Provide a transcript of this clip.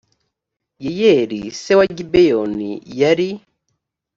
yeyeli se wa gibeyonij yari